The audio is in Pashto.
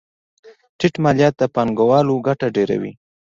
ټیټ مالیات د پانګوالو ګټه ډېروي.